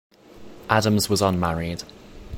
Adams was unmarried.